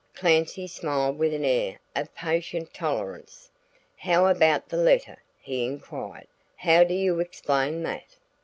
Clancy smiled with an air of patient tolerance. "How about the letter?" he inquired. "How do you explain that?"